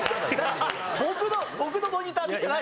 僕のモニター見てないですよね？